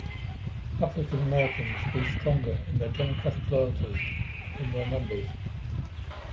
African Americans grew stronger in their Democratic loyalties and in their numbers.